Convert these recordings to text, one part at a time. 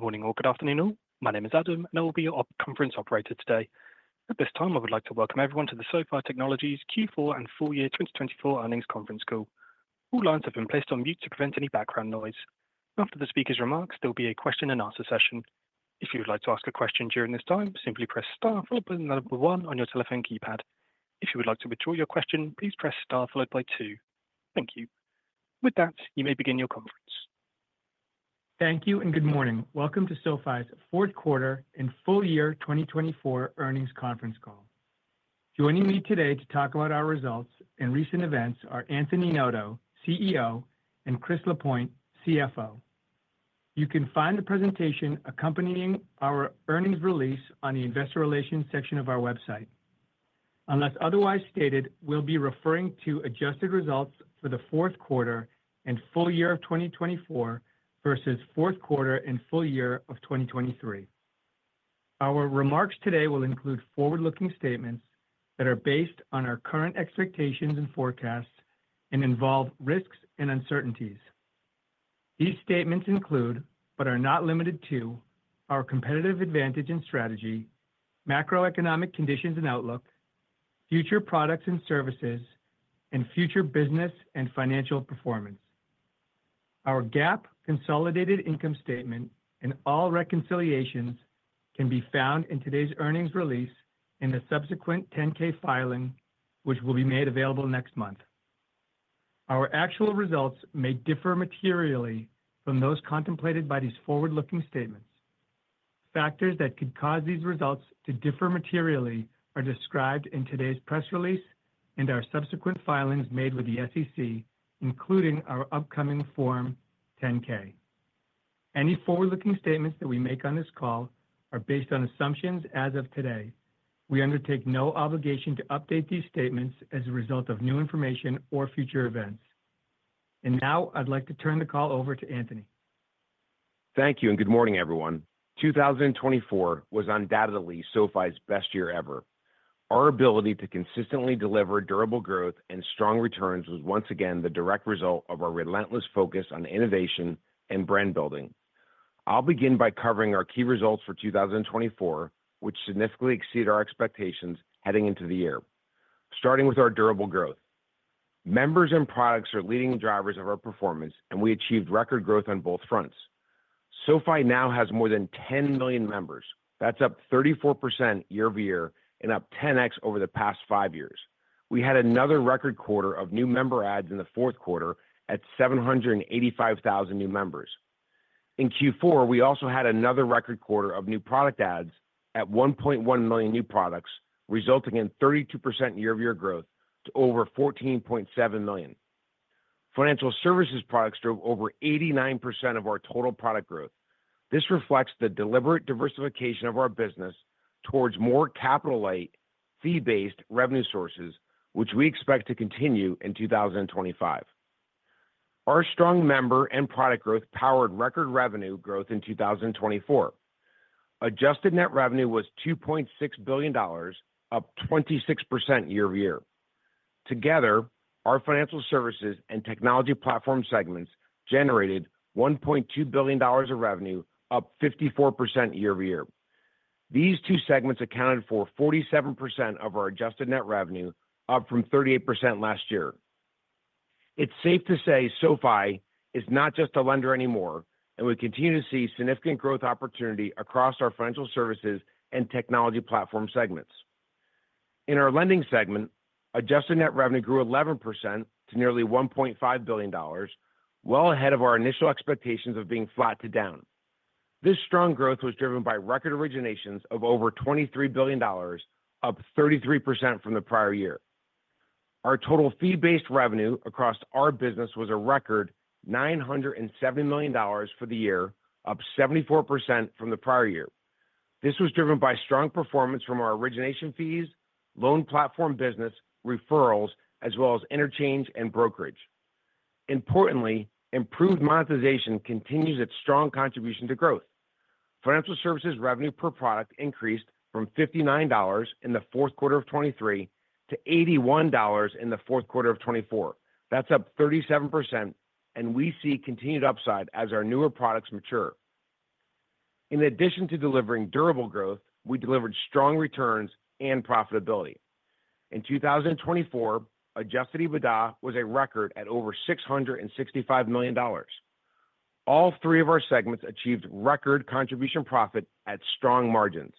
Good morning or good afternoon. My name is Adam, and I will be your conference operator today. At this time, I would like to welcome everyone to the SoFi Technologies Q4 and full year 2024 earnings conference call. All lines have been placed on mute to prevent any background noise. After the speaker's remarks, there will be a question and answer session. If you would like to ask a question during this time, simply press star followed by the number one on your telephone keypad. If you would like to withdraw your question, please press star followed by two. Thank you. With that, you may begin your conference. Thank you and good morning. Welcome to SoFi's fourth quarter and full year 2024 earnings conference call. Joining me today to talk about our results and recent events are Anthony Noto, CEO, and Chris Lapointe, CFO. You can find the presentation accompanying our earnings release on the Investor relations section of our website. Unless otherwise stated, we'll be referring to adjusted results for the fourth quarter and full year of 2024 versus fourth quarter and full year of 2023. Our remarks today will include forward-looking statements that are based on our current expectations and forecasts and involve risks and uncertainties. These statements include, but are not limited to, our competitive advantage and strategy, macroeconomic conditions and outlook, future products and services, and future business and financial performance. Our GAAP consolidated income statement and all reconciliations can be found in today's earnings release and the subsequent 10-K filing, which will be made available next month. Our actual results may differ materially from those contemplated by these forward-looking statements. Factors that could cause these results to differ materially are described in today's press release and our subsequent filings made with the SEC, including our upcoming Form 10-K. Any forward-looking statements that we make on this call are based on assumptions as of today. We undertake no obligation to update these statements as a result of new information or future events. And now I'd like to turn the call over to Anthony. Thank you and good morning, everyone. 2024 was undoubtedly SoFi's best year ever. Our ability to consistently deliver durable growth and strong returns was once again the direct result of our relentless focus on innovation and brand building. I'll begin by covering our key results for 2024, which significantly exceeded our expectations heading into the year. Starting with our durable growth, members and products are leading drivers of our performance, and we achieved record growth on both fronts. SoFi now has more than 10 million members. That's up 34% year-over-year and up 10X over the past five years. We had another record quarter of new member adds in the fourth quarter at 785,000 new members. In Q4, we also had another record quarter of new product adds at 1.1 million new products, resulting in 32% year-over-year growth to over 14.7 million. Financial services products drove over 89% of our total product growth. This reflects the deliberate diversification of our business towards more capital-light, fee-based revenue sources, which we expect to continue in 2025. Our strong member and product growth powered record revenue growth in 2024. Adjusted net revenue was $2.6 billion, up 26% year-over-year. Together, our financial services and technology platform segments generated $1.2 billion of revenue, up 54% year-over-year. These two segments accounted for 47% of our adjusted net revenue, up from 38% last year. It's safe to say SoFi is not just a lender anymore, and we continue to see significant growth opportunity across our financial services and technology platform segments. In our lending segment, adjusted net revenue grew 11% to nearly $1.5 billion, well ahead of our initial expectations of being flat to down. This strong growth was driven by record originations of over $23 billion, up 33% from the prior year. Our total fee-based revenue across our business was a record $970 million for the year, up 74% from the prior year. This was driven by strong performance from our origination fees, loan platform business, referrals, as well as interchange and brokerage. Importantly, improved monetization continues its strong contribution to growth. Financial services revenue per product increased from $59 in the fourth quarter of 2023 to $81 in the fourth quarter of 2024. That's up 37%, and we see continued upside as our newer products mature. In addition to delivering durable growth, we delivered strong returns and profitability. In 2024, Adjusted EBITDA was a record at over $665 million. All three of our segments achieved record Contribution Profit at strong margins.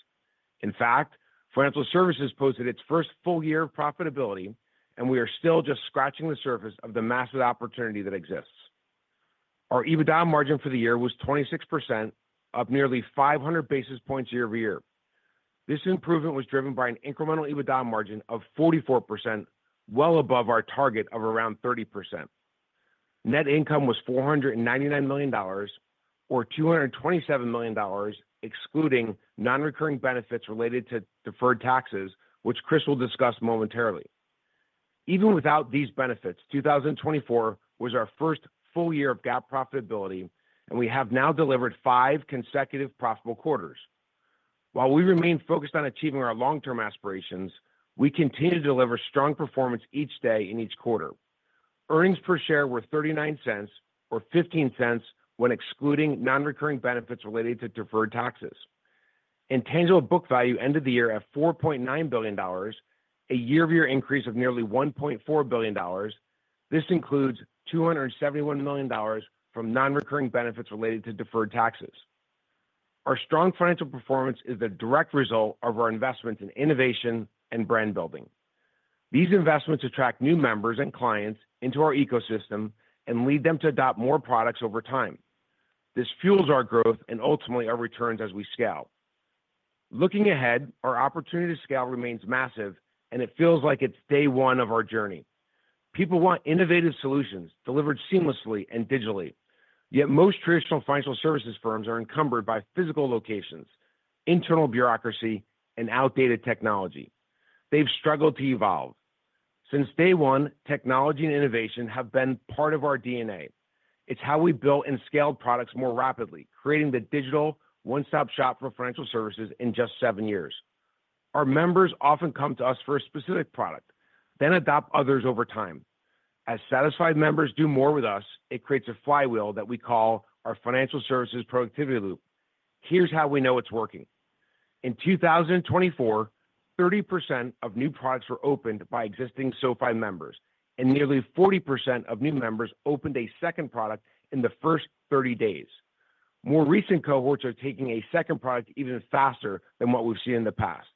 In fact, financial services posted its first full year of profitability, and we are still just scratching the surface of the massive opportunity that exists. Our EBITDA margin for the year was 26%, up nearly 500 basis points year-over-year. This improvement was driven by an incremental EBITDA margin of 44%, well above our target of around 30%. Net income was $499 million, or $227 million, excluding non-recurring benefits related to deferred taxes, which Chris will discuss momentarily. Even without these benefits, 2024 was our first full year of GAAP profitability, and we have now delivered five consecutive profitable quarters. While we remain focused on achieving our long-term aspirations, we continue to deliver strong performance each day in each quarter. Earnings per share were $0.39, or $0.15, when excluding non-recurring benefits related to deferred taxes. Tangible book value ended the year at $4.9 billion, a year-over-year increase of nearly $1.4 billion. This includes $271 million from non-recurring benefits related to deferred taxes. Our strong financial performance is the direct result of our Investments in innovation and brand building. These Investments attract new members and clients into our ecosystem and lead them to adopt more products over time. This fuels our growth and ultimately our returns as we scale. Looking ahead, our opportunity to scale remains massive, and it feels like it's day one of our journey. People want innovative solutions delivered seamlessly and digitally. Yet most traditional financial services firms are encumbered by physical locations, internal bureaucracy, and outdated technology. They've struggled to evolve. Since day one, technology and innovation have been part of our DNA. It's how we built and scaled products more rapidly, creating the digital one-stop shop for financial services in just seven years. Our members often come to us for a specific product, then adopt others over time. As satisfied members do more with us, it creates a flywheel that we call our financial services productivity loop. Here's how we know it's working. In 2024, 30% of new products were opened by existing SoFi members, and nearly 40% of new members opened a second product in the first 30 days. More recent cohorts are taking a second product even faster than what we've seen in the past.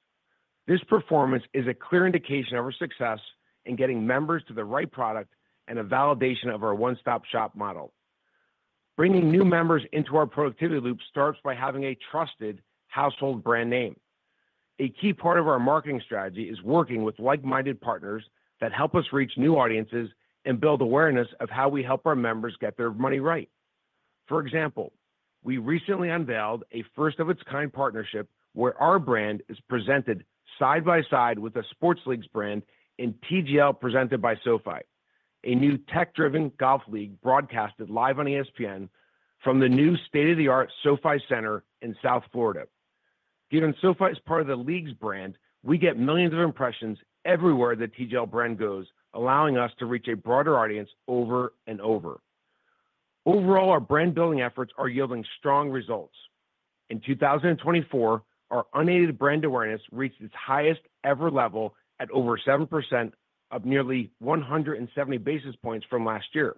This performance is a clear indication of our success in getting members to the right product and a validation of our one-stop shop model. Bringing new members into our productivity loop starts by having a trusted household brand name. A key part of our marketing strategy is working with like-minded partners that help us reach new audiences and build awareness of how we help our members get their money right. For example, we recently unveiled a first-of-its-kind partnership where our brand is presented side by side with a sports league's brand in TGL presented by SoFi, a new tech-driven golf league broadcasted live on ESPN from the new state-of-the-art SoFi Center in South Florida. Given SoFi is part of the league's brand, we get millions of impressions everywhere the TGL brand goes, allowing us to reach a broader audience over and over. Overall, our brand building efforts are yielding strong results. In 2024, our unaided brand awareness reached its highest ever level at over 7%, up nearly 170 basis points from last year.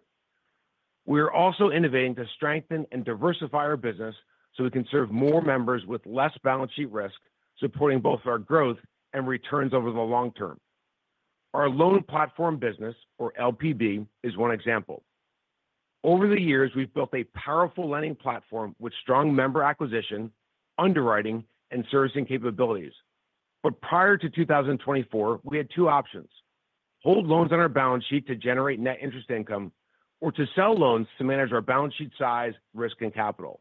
We are also innovating to strengthen and diversify our business so we can serve more members with less balance sheet risk, supporting both our growth and returns over the long term. Our loan platform business, or LPB, is one example. Over the years, we've built a powerful lending platform with strong member acquisition, underwriting, and servicing capabilities. But prior to 2024, we had two options: hold loans on our balance sheet to generate net interest income or to sell loans to manage our balance sheet size, risk, and capital.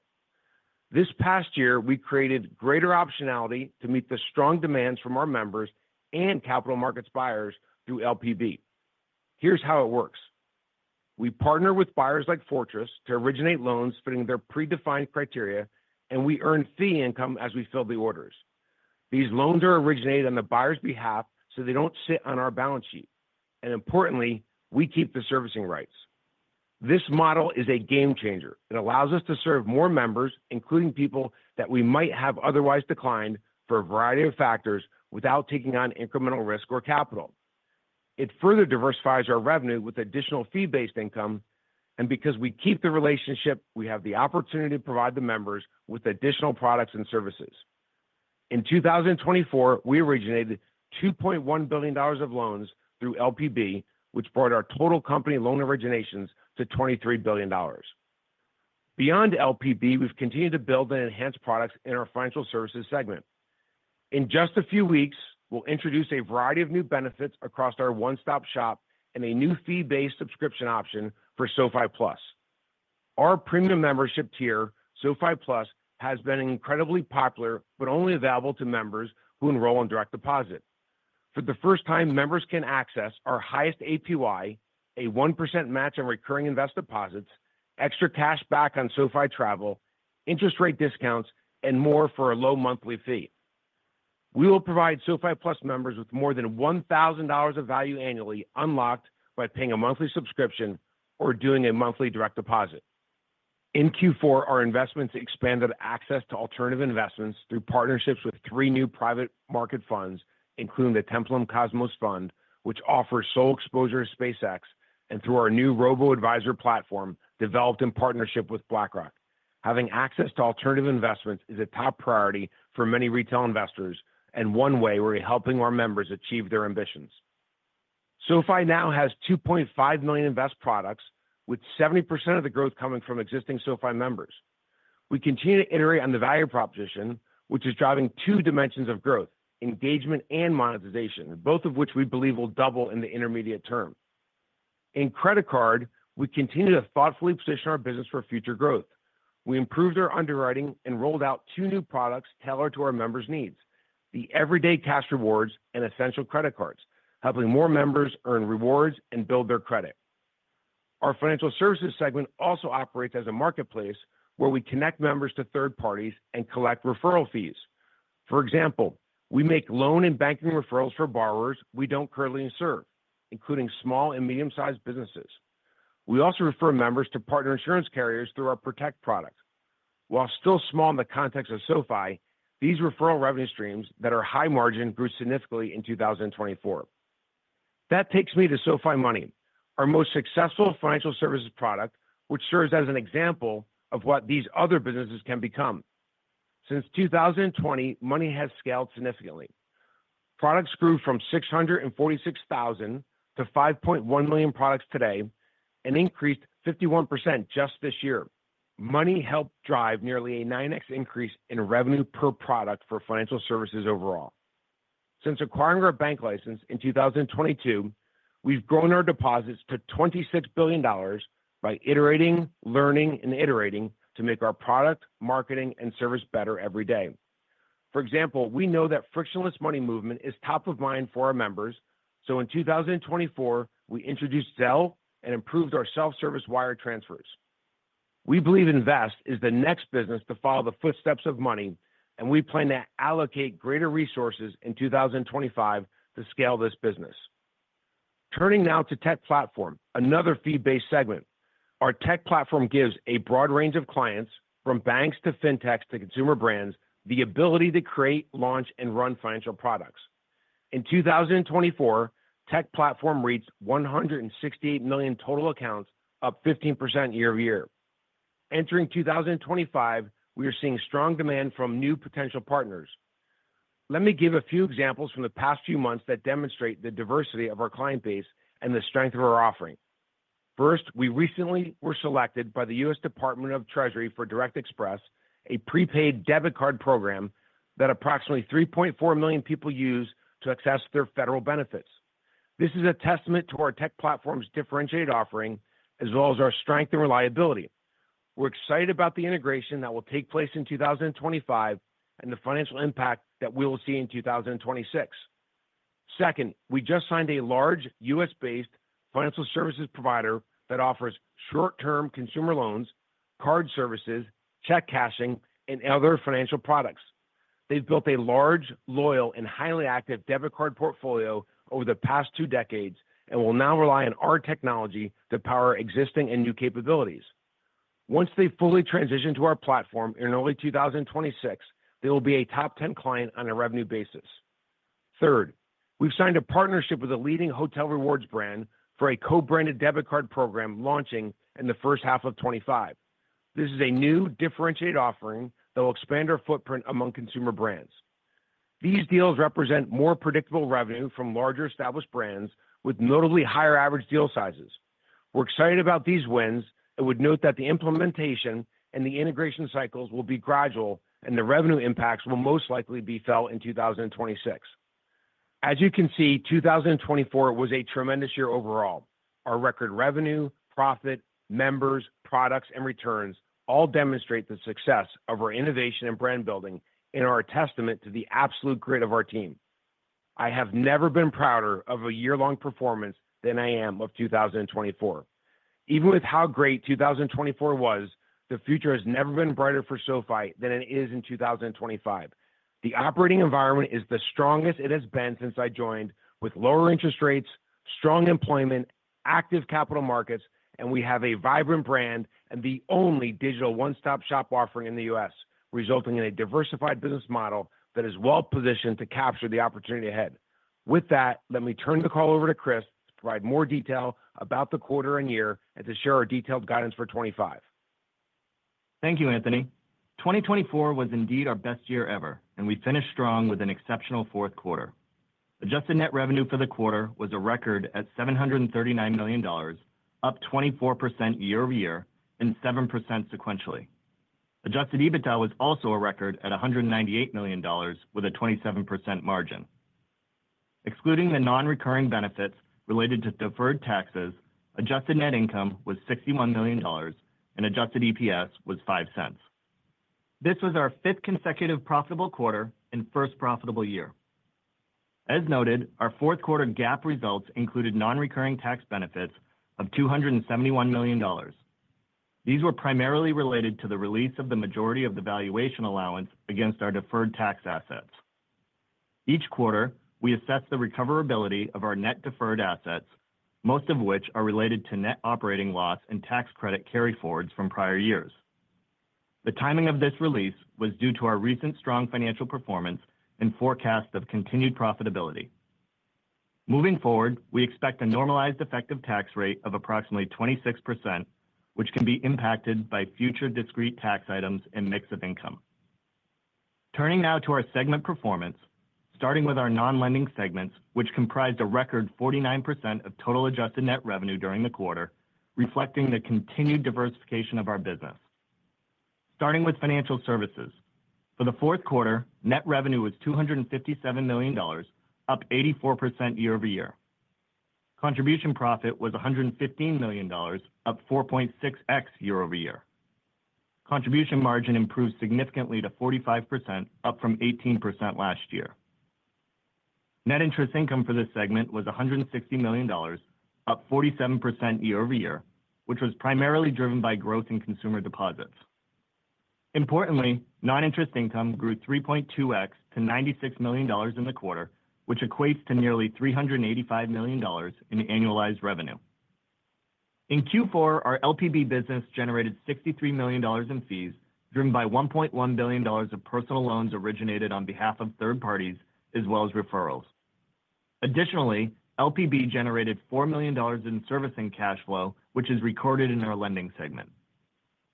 This past year, we created greater optionality to meet the strong demands from our members and capital markets buyers through LPB. Here's how it works. We partner with buyers like Fortress to originate loans fitting their predefined criteria, and we earn fee income as we fill the orders. These loans are originated on the buyer's behalf so they don't sit on our balance sheet. Importantly, we keep the servicing rights. This model is a game changer. It allows us to serve more members, including people that we might have otherwise declined for a variety of factors without taking on incremental risk or capital. It further diversifies our revenue with additional fee-based income. Because we keep the relationship, we have the opportunity to provide the members with additional products and services. In 2024, we originated $2.1 billion of loans through LPB, which brought our total company loan originations to $23 billion. Beyond LPB, we've continued to build and enhance products in our financial services segment. In just a few weeks, we'll introduce a variety of new benefits across our one-stop shop and a new fee-based subscription option for SoFi Plus. Our premium membership tier, SoFi Plus, has been incredibly popular, but only available to members who enroll on direct deposit. For the first time, members can access our highest APY, a 1% match on recurring Invest deposits, extra cash back on SoFi travel, interest rate discounts, and more for a low monthly fee. We will provide SoFi Plus members with more than $1,000 of value annually unlocked by paying a monthly subscription or doing a monthly direct deposit. In Q4, our Investments expanded access to alternative Investments through partnerships with three new private market funds, including the Templum Cosmos Fund, which offers sole exposure to SpaceX, and through our new robo-advisor platform developed in partnership with BlackRock. Having access to alternative Investments is a top priority for many retail Investors and one way we're helping our members achieve their ambitions. SoFi now has 2.5 million Invest products, with 70% of the growth coming from existing SoFi members. We continue to iterate on the value proposition, which is driving two dimensions of growth: engagement and monetization, both of which we believe will double in the intermediate term. In credit card, we continue to thoughtfully position our business for future growth. We improved our underwriting and rolled out two new products tailored to our members' needs: the Everyday Cash Rewards and Essential Credit Cards, helping more members earn rewards and build their credit. Our financial services segment also operates as a marketplace where we connect members to third parties and collect referral fees. For example, we make loan and banking referrals for borrowers we don't currently serve, including small and medium-sized businesses. We also refer members to partner insurance carriers through our Protect product. While still small in the context of SoFi, these referral revenue streams that are high margin grew significantly in 2024. That takes me to SoFi Money, our most successful financial services product, which serves as an example of what these other businesses can become. Since 2020, Money has scaled significantly. Products grew from 646,000 to 5.1 million products today and increased 51% just this year. Money helped drive nearly a 9X increase in revenue per product for financial services overall. Since acquiring our bank license in 2022, we've grown our deposits to $26 billion by iterating, learning, and iterating to make our product, marketing, and service better every day. For example, we know that frictionless money movement is top of mind for our members. So in 2024, we introduced Zelle and improved our self-service wire transfers. We believe Invest is the next business to follow the footsteps of Money, and we plan to allocate greater resources in 2025 to scale this business. Turning now to Tech Platform, another fee-based segment. Our Tech Platform gives a broad range of clients, from banks to fintechs to consumer brands, the ability to create, launch, and run financial products. In 2024, Tech Platform reached 168 million total accounts, up 15% year-over-year. Entering 2025, we are seeing strong demand from new potential partners. Let me give a few examples from the past few months that demonstrate the diversity of our client base and the strength of our offering. First, we recently were selected by the U.S. Department of the Treasury for Direct Express, a prepaid debit card program that approximately 3.4 million people use to access their federal benefits. This is a testament to our Tech Platform's differentiated offering, as well as our strength and reliability. We're excited about the integration that will take place in 2025 and the financial impact that we will see in 2026. Second, we just signed a large U.S.-based financial services provider that offers short-term consumer loans, card services, check cashing, and other financial products. They've built a large, loyal, and highly active debit card portfolio over the past two decades and will now rely on our technology to power existing and new capabilities. Once they fully transition to our platform in early 2026, they will be a top 10 client on a revenue basis. Third, we've signed a partnership with a leading hotel rewards brand for a co-branded debit card program launching in the first half of 2025. This is a new differentiated offering that will expand our footprint among consumer brands. These deals represent more predictable revenue from larger established brands with notably higher average deal sizes. We're excited about these wins. I would note that the implementation and the integration cycles will be gradual, and the revenue impacts will most likely be felt in 2026. As you can see, 2024 was a tremendous year overall. Our record revenue, profit, members, products, and returns all demonstrate the success of our innovation and brand building and are a testament to the absolute grit of our team. I have never been prouder of a year-long performance than I am of 2024. Even with how great 2024 was, the future has never been brighter for SoFi than it is in 2025. The operating environment is the strongest it has been since I joined, with lower interest rates, strong employment, active capital markets, and we have a vibrant brand and the only digital one-stop shop offering in the U.S., resulting in a diversified business model that is well-positioned to capture the opportunity ahead. With that, let me turn the call over to Chris to provide more detail about the quarter and year and to share our detailed guidance for 2025. Thank you, Anthony. 2024 was indeed our best year ever, and we finished strong with an exceptional fourth quarter. Adjusted net revenue for the quarter was a record at $739 million, up 24% year-over-year and 7% sequentially. Adjusted EBITDA was also a record at $198 million, with a 27% margin. Excluding the non-recurring benefits related to deferred taxes, adjusted net income was $61 million, and adjusted EPS was $0.05. This was our fifth consecutive profitable quarter and first profitable year. As noted, our fourth quarter GAAP results included non-recurring tax benefits of $271 million. These were primarily related to the release of the majority of the valuation allowance against our deferred tax assets. Each quarter, we assessed the recoverability of our net deferred assets, most of which are related to net operating loss and tax credit carry forwards from prior years. The timing of this release was due to our recent strong financial performance and forecast of continued profitability. Moving forward, we expect a normalized effective tax rate of approximately 26%, which can be impacted by future discrete tax items and mix of income. Turning now to our segment performance, starting with our non-lending segments, which comprised a record 49% of total adjusted net revenue during the quarter, reflecting the continued diversification of our business. Starting with financial services, for the fourth quarter, net revenue was $257 million, up 84% year-over- year. Contribution profit was $115 million, up 4.6x year-over-year. Contribution margin improved significantly to 45%, up from 18% last year. Net interest income for this segment was $160 million, up 47% year-over-year, which was primarily driven by growth in consumer deposits. Importantly, non-interest income grew 3.2x to $96 million in the quarter, which equates to nearly $385 million in annualized revenue. In Q4, our LPB business generated $63 million in fees, driven by $1.1 billion of personal loans originated on behalf of third parties, as well as referrals. Additionally, LPB generated $4 million in servicing cash flow, which is recorded in our lending segment.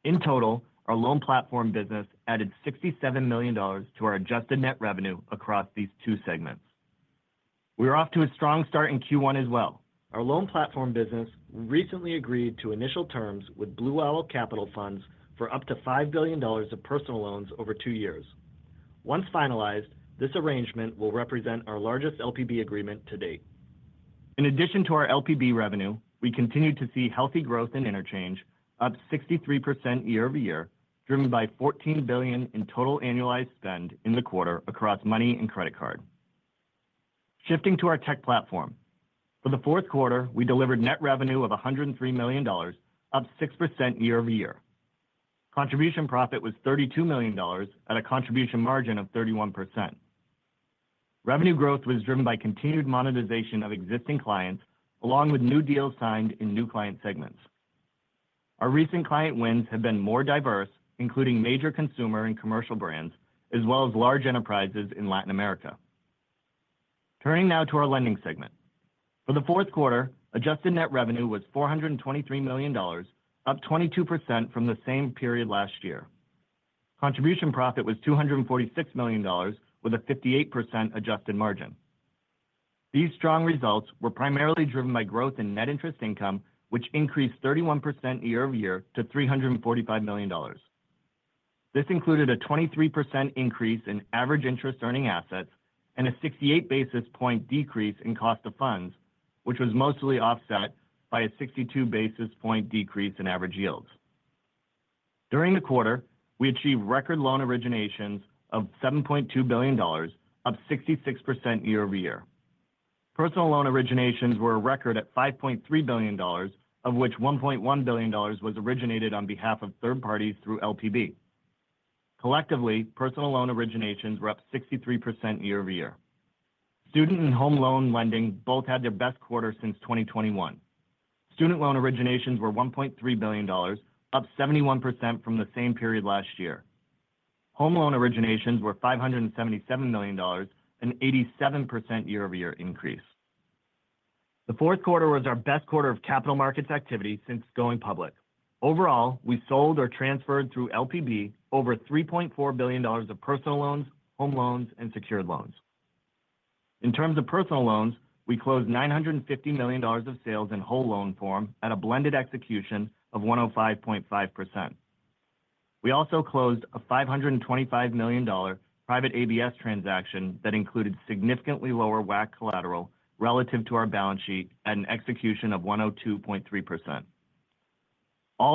In total, our loan platform business added $67 million to our adjusted net revenue across these two segments. We're off to a strong start in Q1 as well. Our loan platform business recently agreed to initial terms with Blue Owl Capital Funds for up to $5 billion of personal loans over two years. Once finalized, this arrangement will represent our largest LPB agreement to date. In addition to our LPB revenue, we continue to see healthy growth in interchange, up 63% year-over-year, driven by $14 billion in total annualized spend in the quarter across money and credit card. Shifting to our Tech Platform, for the fourth quarter, we delivered net revenue of $103 million, up 6% year-over-year. Contribution profit was $32 million at a contribution margin of 31%. Revenue growth was driven by continued monetization of existing clients, along with new deals signed in new client segments. Our recent client wins have been more diverse, including major consumer and commercial brands, as well as large enterprises in Latin America. Turning now to our lending segment. For the fourth quarter, adjusted net revenue was $423 million, up 22% from the same period last year. Contribution profit was $246 million, with a 58% adjusted margin. These strong results were primarily driven by growth in net interest income, which increased 31% year-over-year to $345 million. This included a 23% increase in average interest-earning assets and a 68 basis point decrease in cost of funds, which was mostly offset by a 62 basis point decrease in average yields. During the quarter, we achieved record loan originations of $7.2 billion, up 66% year-over-year. Personal loan originations were a record at $5.3 billion, of which $1.1 billion was originated on behalf of third parties through LPB. Collectively, personal loan originations were up 63% year-over-year. Student and home loan lending both had their best quarter since 2021. Student loan originations were $1.3 billion, up 71% from the same period last year. Home loan originations were $577 million, an 87% year-over-year increase. The fourth quarter was our best quarter of capital markets activity since going public. Overall, we sold or transferred through LPB over $3.4 billion of personal loans, home loans, and secured loans. In terms of personal loans, we closed $950 million of sales in whole loan form at a blended execution of 105.5%. We also closed a $525 million private ABS transaction that included significantly lower WAC collateral relative to our balance sheet at an execution of 102.3%. All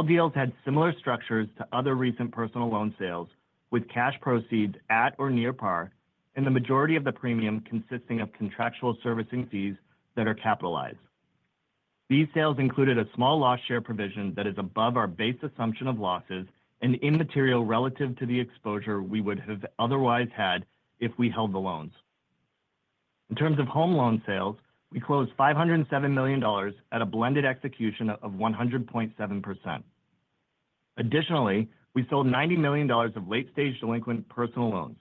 deals had similar structures to other recent personal loan sales, with cash proceeds at or near par, and the majority of the premium consisting of contractual servicing fees that are capitalized. These sales included a small loss share provision that is above our base assumption of losses and immaterial relative to the exposure we would have otherwise had if we held the loans. In terms of home loan sales, we closed $507 million at a blended execution of 100.7%. Additionally, we sold $90 million of late-stage delinquent personal loans.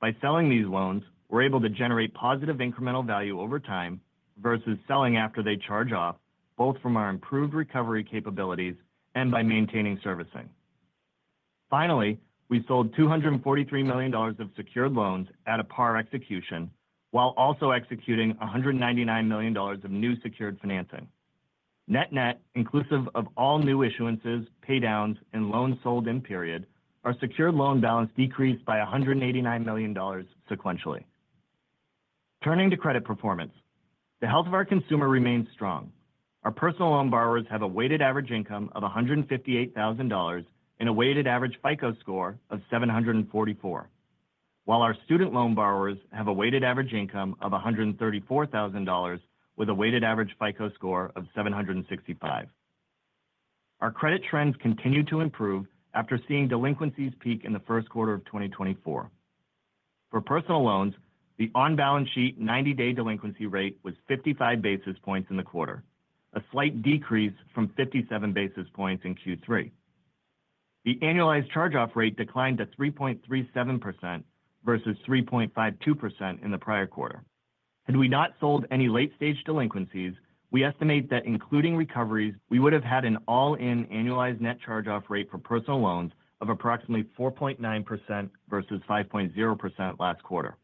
By selling these loans, we're able to generate positive incremental value over time versus selling after they charge off, both from our improved recovery capabilities and by maintaining servicing. Finally, we sold $243 million of secured loans at a par execution, while also executing $199 million of new secured financing. Net-net, inclusive of all new issuances, paydowns, and loans sold in period, our secured loan balance decreased by $189 million sequentially. Turning to credit performance, the health of our consumer remains strong. Our personal loan borrowers have a weighted average income of $158,000 and a weighted average FICO Score of 744, while our student loan borrowers have a weighted average income of $134,000 with a weighted average FICO Score of 765. Our credit trends continue to improve after seeing delinquencies peak in the first quarter of 2024. For personal loans, the on-balance sheet 90-day delinquency rate was 55 basis points in the quarter, a slight decrease from 57 basis points in Q3. The annualized charge-off rate declined to 3.37% versus 3.52% in the prior quarter. Had we not sold any late-stage delinquencies, we estimate that including recoveries, we would have had an all-in annualized net charge-off rate for personal loans of approximately 4.9% versus 5.0% last quarter.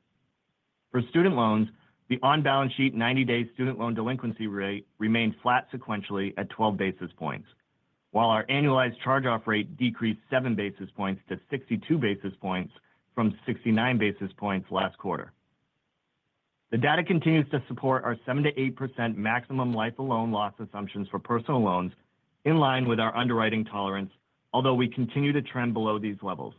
For student loans, the on-balance sheet 90-day student loan delinquency rate remained flat sequentially at 12 basis points, while our annualized charge-off rate decreased 7 basis points to 62 basis points from 69 basis points last quarter. The data continues to support our 7%-8% maximum life of loan loss assumptions for personal loans in line with our underwriting tolerance, although we continue to trend below these levels.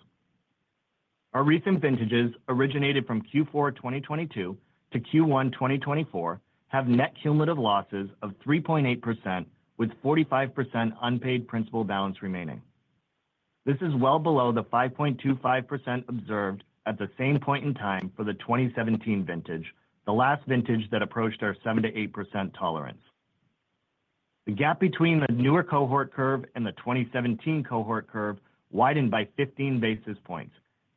Our recent vintages originated from Q4 2022 to Q1 2024 have net cumulative losses of 3.8%, with 45% unpaid principal balance remaining. This is well below the 5.25% observed at the same point in time for the 2017 vintage, the last vintage that approached our 7%-8% tolerance. The gap between the newer cohort curve and the 2017 cohort curve widened by 15 basis points,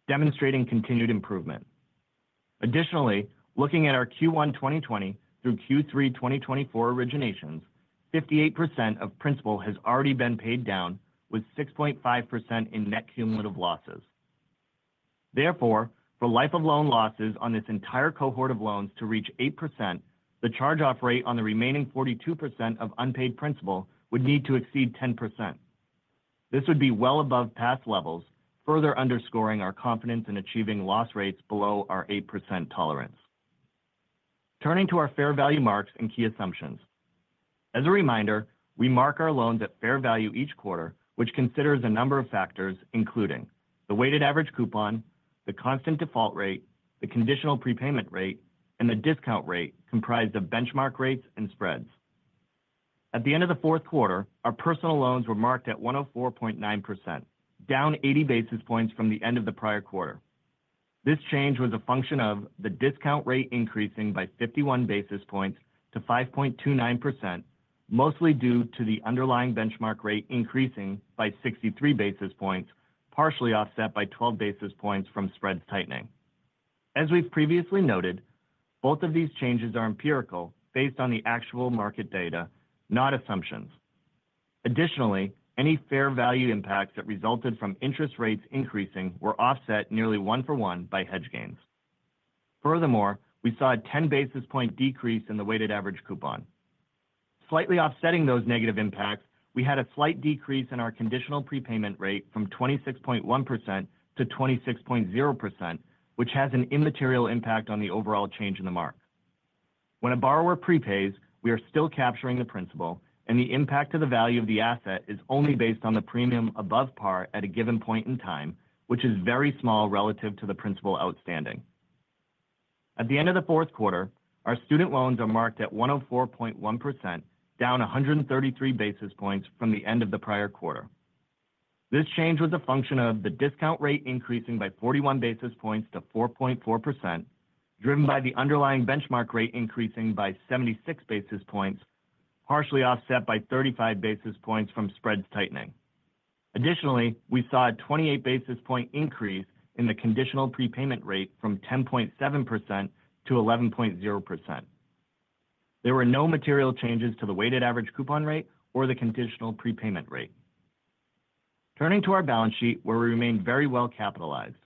demonstrating continued improvement. Additionally, looking at our Q1 2020 through Q3 2024 originations, 58% of principal has already been paid down, with 6.5% in net cumulative losses. Therefore, for life of loan losses on this entire cohort of loans to reach 8%, the charge-off rate on the remaining 42% of unpaid principal would need to exceed 10%. This would be well above past levels, further underscoring our confidence in achieving loss rates below our 8% tolerance. Turning to our fair value marks and key assumptions. As a reminder, we mark our loans at fair value each quarter, which considers a number of factors, including the weighted average coupon, the constant default rate, the conditional prepayment rate, and the discount rate, comprised of benchmark rates and spreads. At the end of the fourth quarter, our personal loans were marked at 104.9%, down 80 basis points from the end of the prior quarter. This change was a function of the discount rate increasing by 51 basis points to 5.29%, mostly due to the underlying benchmark rate increasing by 63 basis points, partially offset by 12 basis points from spreads tightening. As we've previously noted, both of these changes are empirical, based on the actual market data, not assumptions. Additionally, any fair value impacts that resulted from interest rates increasing were offset nearly one-for-one by hedge gains. Furthermore, we saw a 10 basis point decrease in the weighted average coupon. Slightly offsetting those negative impacts, we had a slight decrease in our conditional prepayment rate from 26.1% to 26.0%, which has an immaterial impact on the overall change in the mark. When a borrower prepays, we are still capturing the principal, and the impact of the value of the asset is only based on the premium above par at a given point in time, which is very small relative to the principal outstanding. At the end of the fourth quarter, our student loans are marked at 104.1%, down 133 basis points from the end of the prior quarter. This change was a function of the discount rate increasing by 41 basis points to 4.4%, driven by the underlying benchmark rate increasing by 76 basis points, partially offset by 35 basis points from spreads tightening. Additionally, we saw a 28 basis point increase in the conditional prepayment rate from 10.7% to 11.0%. There were no material changes to the weighted average coupon rate or the conditional prepayment rate. Turning to our balance sheet, where we remained very well capitalized.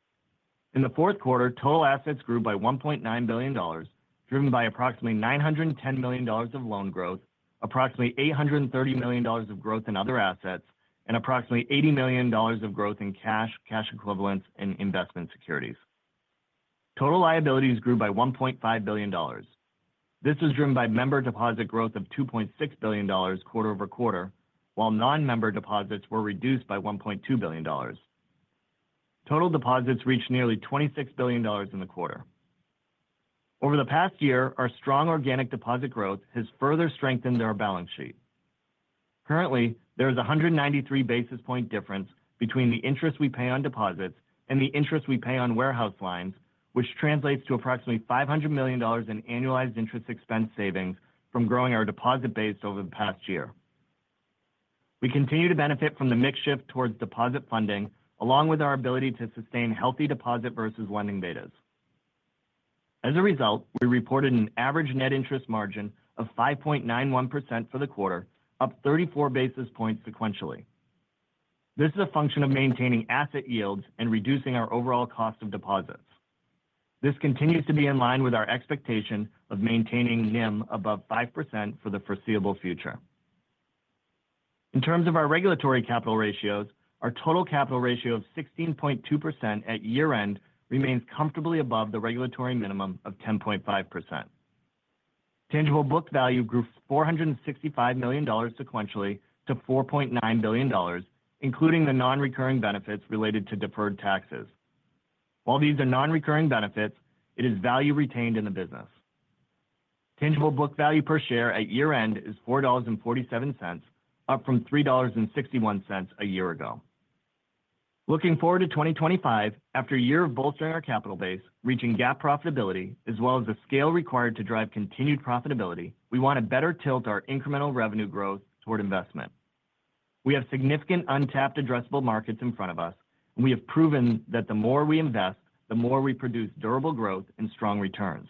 In the fourth quarter, total assets grew by $1.9 billion, driven by approximately $910 million of loan growth, approximately $830 million of growth in other assets, and approximately $80 million of growth in cash, cash equivalents, and Investment securities. Total liabilities grew by $1.5 billion. This was driven by member deposit growth of $2.6 billion quarter over quarter, while non-member deposits were reduced by $1.2 billion. Total deposits reached nearly $26 billion in the quarter. Over the past year, our strong organic deposit growth has further strengthened our balance sheet. Currently, there is a 193 basis point difference between the interest we pay on deposits and the interest we pay on warehouse lines, which translates to approximately $500 million in annualized interest expense savings from growing our deposit base over the past year. We continue to benefit from the mixed shift towards deposit funding, along with our ability to sustain healthy deposit versus lending betas. As a result, we reported an average net interest margin of 5.91% for the quarter, up 34 basis points sequentially. This is a function of maintaining asset yields and reducing our overall cost of deposits. This continues to be in line with our expectation of maintaining NIM above 5% for the foreseeable future. In terms of our regulatory capital ratios, our total capital ratio of 16.2% at year-end remains comfortably above the regulatory minimum of 10.5%. Tangible book value grew $465 million sequentially to $4.9 billion, including the non-recurring benefits related to deferred taxes. While these are non-recurring benefits, it is value retained in the business. Tangible book value per share at year-end is $4.47, up from $3.61 a year ago. Looking forward to 2025, after a year of bolstering our capital base, reaching GAAP profitability, as well as the scale required to drive continued profitability, we want to better tilt our incremental revenue growth toward Investment. We have significant untapped addressable markets in front of us, and we have proven that the more we Invest, the more we produce durable growth and strong returns.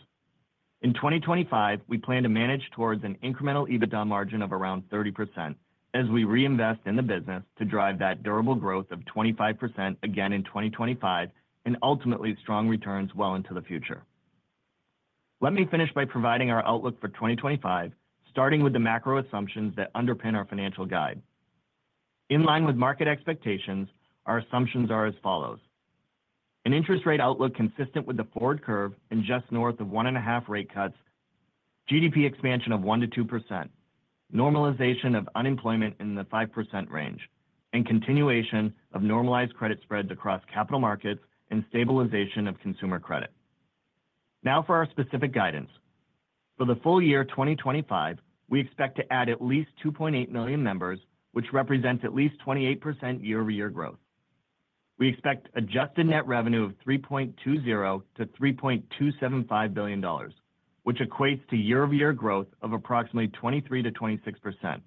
In 2025, we plan to manage towards an incremental EBITDA margin of around 30% as we reInvest in the business to drive that durable growth of 25% again in 2025 and ultimately strong returns well into the future. Let me finish by providing our outlook for 2025, starting with the macro assumptions that underpin our financial guide. In line with market expectations, our assumptions are as follows. An interest rate outlook consistent with the forward curve and just north of one and a half rate cuts, GDP expansion of 1%-2%, normalization of unemployment in the 5% range, and continuation of normalized credit spreads across capital markets and stabilization of consumer credit. Now for our specific guidance. For the full year 2025, we expect to add at least 2.8 million members, which represents at least 28% year-over-year growth. We expect adjusted net revenue of $3.20-$3.275 billion, which equates to year-over-year growth of approximately 23%-26%.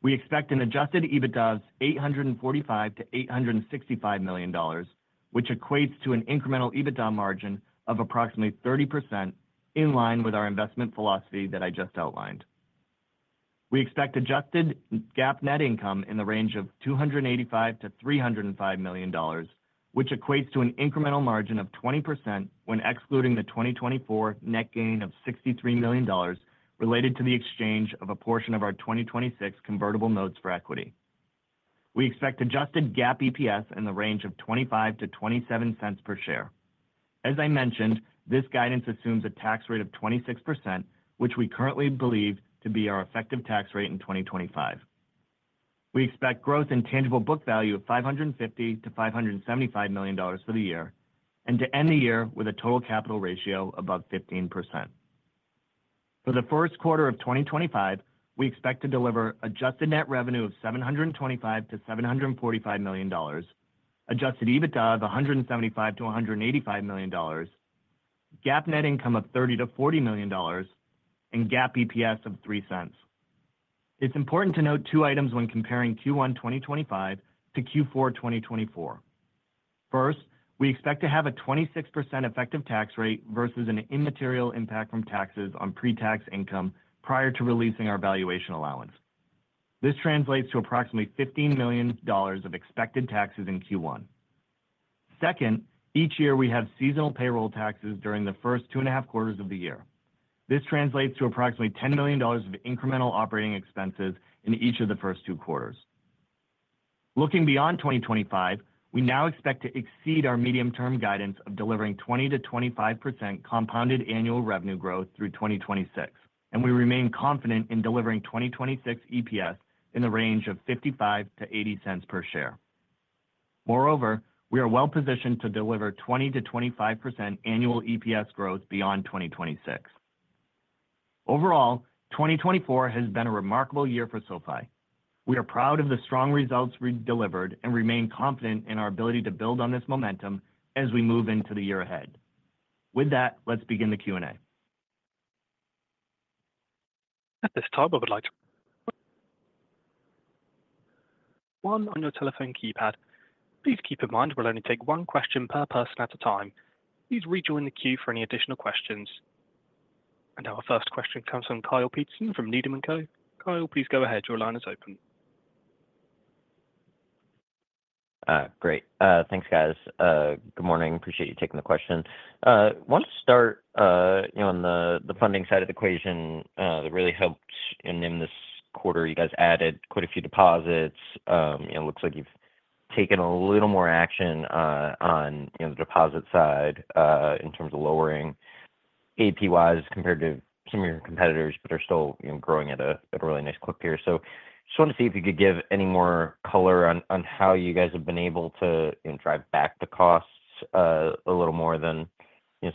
We expect an adjusted EBITDA of $845-$865 million, which equates to an incremental EBITDA margin of approximately 30% in line with our Investment philosophy that I just outlined. We expect adjusted GAAP net income in the range of $285-$305 million, which equates to an incremental margin of 20% when excluding the 2024 net gain of $63 million related to the exchange of a portion of our 2026 convertible notes for equity. We expect adjusted GAAP EPS in the range of $0.25-$0.27 per share. As I mentioned, this guidance assumes a tax rate of 26%, which we currently believe to be our effective tax rate in 2025. We expect growth in tangible book value of $550-$575 million for the year and to end the year with a total capital ratio above 15%. For the first quarter of 2025, we expect to deliver adjusted net revenue of $725-$745 million, adjusted EBITDA of $175-$185 million, GAAP net income of $30-$40 million, and GAAP EPS of $0.03. It's important to note two items when comparing Q1 2025 to Q4 2024. First, we expect to have a 26% effective tax rate versus an immaterial impact from taxes on pre-tax income prior to releasing our valuation allowance. This translates to approximately $15 million of expected taxes in Q1. Second, each year we have seasonal payroll taxes during the first two and a half quarters of the year. This translates to approximately $10 million of incremental operating expenses in each of the first two quarters. Looking beyond 2025, we now expect to exceed our medium-term guidance of delivering 20%-25% compounded annual revenue growth through 2026, and we remain confident in delivering 2026 EPS in the range of $0.55-$0.80 per share. Moreover, we are well positioned to deliver 20%-25% annual EPS growth beyond 2026. Overall, 2024 has been a remarkable year for SoFi. We are proud of the strong results we delivered and remain confident in our ability to build on this momentum as we move into the year ahead. With that, let's begin the Q&A. At this time, I would like to... One on your telephone keypad. Please keep in mind we'll only take one question per person at a time. Please rejoin the queue for any additional questions. And our first question comes from Kyle Peterson from Needham & Company. Kyle, please go ahead. Your line is open. Great. Thanks, guys. Good morning. Appreciate you taking the question. I want to start on the funding side of the equation that really helped in this quarter. You guys added quite a few deposits. It looks like you've taken a little more action on the deposit side in terms of lowering APY-wise compared to some of your competitors, but are still growing at a really nice clip here. So I just wanted to see if you could give any more color on how you guys have been able to drive back the costs a little more than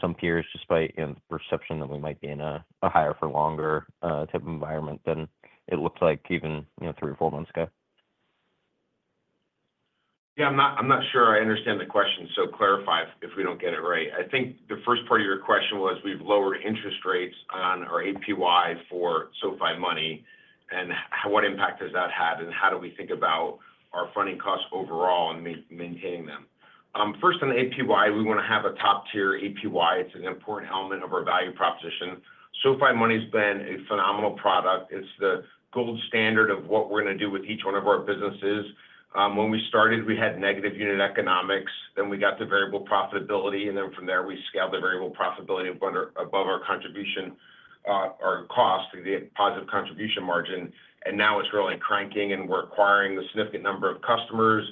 some peers, despite the perception that we might be in a higher-for-longer type of environment than it looked like even three or four months ago. Yeah, I'm not sure I understand the question, so clarify if we don't get it right. I think the first part of your question was we've lowered interest rates on our APY for SoFi Money, and what impact has that had, and how do we think about our funding costs overall and maintaining them? First, on APY, we want to have a top-tier APY. It's an important element of our value proposition. SoFi Money has been a phenomenal product. It's the gold standard of what we're going to do with each one of our businesses. When we started, we had negative unit economics. Then we got the variable profitability, and then from there we scaled the variable profitability above our cost, the positive contribution margin, and now it's really cranking, and we're acquiring a significant number of customers.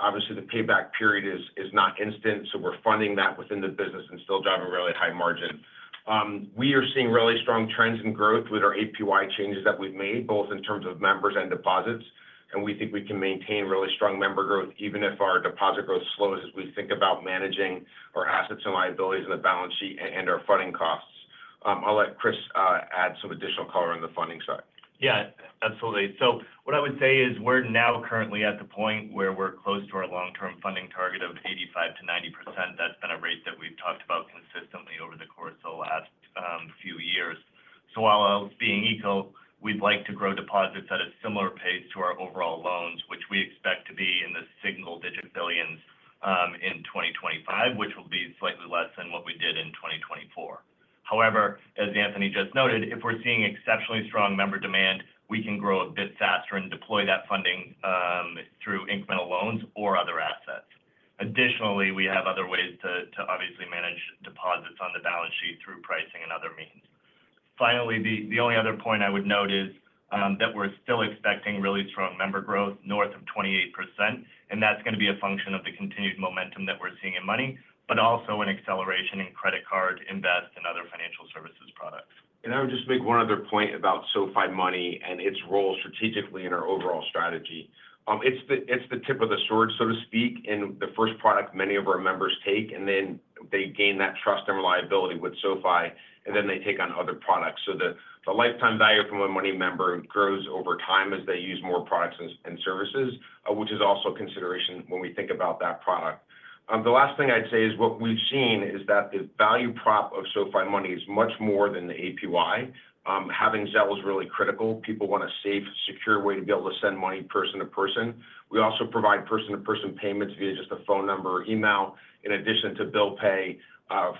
Obviously, the payback period is not instant, so we're funding that within the business and still driving a really high margin. We are seeing really strong trends in growth with our APY changes that we've made, both in terms of members and deposits, and we think we can maintain really strong member growth even if our deposit growth slows as we think about managing our assets and liabilities in the balance sheet and our funding costs. I'll let Chris add some additional color on the funding side. Yeah, absolutely. So what I would say is we're now currently at the point where we're close to our long-term funding target of 85%-90%. That's been a rate that we've talked about consistently over the course of the last few years. So while being equal, we'd like to grow deposits at a similar pace to our overall loans, which we expect to be in the single-digit billions in 2025, which will be slightly less than what we did in 2024. However, as Anthony just noted, if we're seeing exceptionally strong member demand, we can grow a bit faster and deploy that funding through incremental loans or other assets. Additionally, we have other ways to obviously manage deposits on the balance sheet through pricing and other means. Finally, the only other point I would note is that we're still expecting really strong member growth north of 28%, and that's going to be a function of the continued momentum that we're seeing in money, but also an acceleration in credit card Invest and other financial services products. And I would just make one other point about SoFi Money and its role strategically in our overall strategy. It's the tip of the sword, so to speak, and the first product many of our members take, and then they gain that trust and reliability with SoFi, and then they take on other products. So the lifetime value from a money member grows over time as they use more products and services, which is also a consideration when we think about that product. The last thing I'd say is what we've seen is that the value prop of SoFi Money is much more than the APY. Having Zelle is really critical. People want a safe, secure way to be able to send money person to person. We also provide person-to-person payments via just a phone number or email, in addition to bill pay,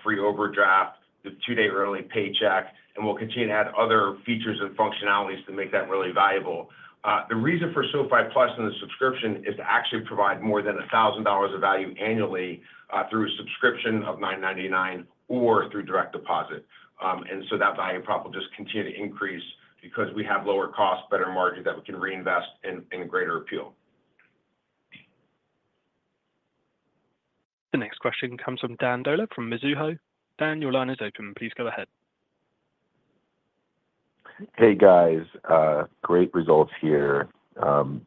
free overdraft, the two-day early paycheck, and we'll continue to add other features and functionalities to make that really valuable. The reason for SoFi Plus and the subscription is to actually provide more than $1,000 of value annually through a subscription of $999 or through direct deposit. And so that value prop will just continue to increase because we have lower costs, better margins that we can reInvest in greater appeal. The next question comes from Dan Dolev from Mizuho. Dan, your line is open. Please go ahead. Hey, guys. Great results here, and